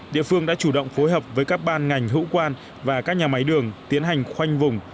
địa phương đã chủ động phối hợp với các ban ngành hữu quan và các nhà máy đường tiến hành khoanh vùng